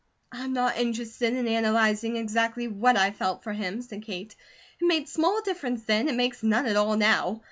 "I am not interested in analyzing exactly what I felt for him," said Kate. "It made small difference then; it makes none at all now.